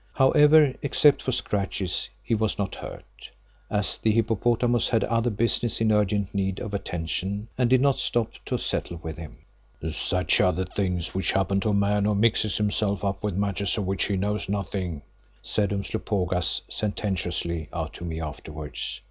However, except for scratches he was not hurt, as the hippopotamus had other business in urgent need of attention and did not stop to settle with him. "Such are the things which happen to a man who mixes himself up with matters of which he knows nothing," said Umslopogaas sententiously to me afterwards.